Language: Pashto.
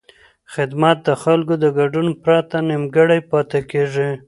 خدمت د خلکو د ګډون پرته نیمګړی پاتې کېږي.